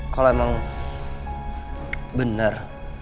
kalau emang benar